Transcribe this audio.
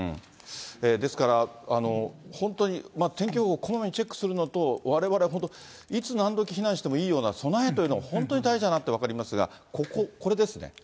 ですから、本当に、天気予報をこまめにチェックするのと、われわれ、本当いつなんどき避難してもいいような備えというのが、本当に大事だなって分かりますが、ここ、これですね。